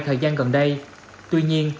thời gian gần đây tuy nhiên